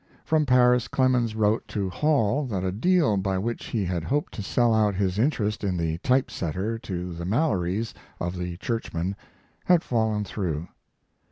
From Paris Clemens wrote to Hall that a deal by which he had hoped to sell out his interest in the type setter to the Mallorys, of the Churchman, had fallen through.